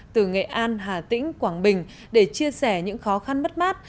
từ nghệ an hà tĩnh quảng bình để chia sẻ những khó khăn mất mát